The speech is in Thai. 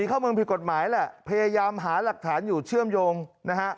เข้าเมืองผิดกฎหมายแหละพยายามหาหลักฐานอยู่เชื่อมโยงนะฮะ